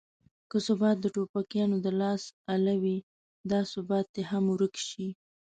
که ثبات د ټوپکیانو د لاس اله وي دا ثبات دې هم ورک شي.